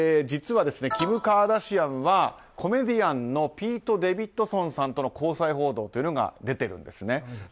実はキム・カーダシアンはコメディアンのピート・デヴィッドソンさんとの交際報道というのが出ているんです。